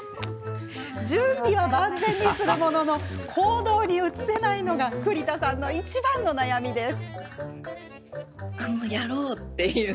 準備は万全にするものの行動に移せないのが栗田さんのいちばんの悩みです。